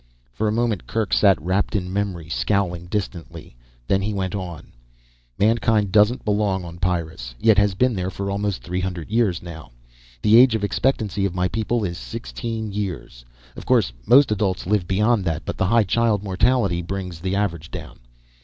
For a moment Kerk sat wrapped in memory, scowling distantly. Then he went on. "Mankind doesn't belong on Pyrrus yet has been there for almost three hundred years now. The age expectancy of my people is sixteen years. Of course most adults live beyond that, but the high child mortality brings the average down.